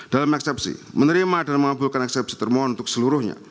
dalam eksepsi menerima dan mengabulkan eksepsi termohon untuk seluruhnya